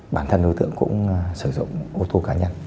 bản thân đối tượng cũng sử dụng ô tô cá nhân